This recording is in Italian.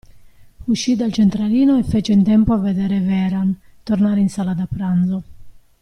Uscí dal centralino e fece in tempo a vedere Vehrehan tornare in sala da pranzo.